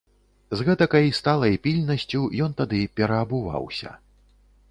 З гэтакай сталай пільнасцю ён тады пераабуваўся.